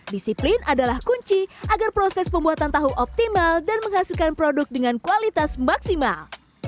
disiplin adalah kunci agar proses pembuatan tahu optimal dan menghasilkan produk dengan kualitas maksimal